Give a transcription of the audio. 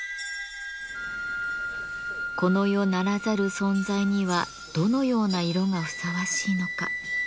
この世ならざる存在にはどのような色がふさわしいのか。